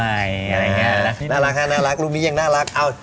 อะไรอย่างเงี้ยน่ารักค่ะน่ารักรูปนี้ยังน่ารักเอา